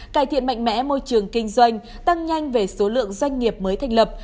cải thiện mạnh mẽ môi trường kinh doanh tăng nhanh về số lượng doanh nghiệp mới thành lập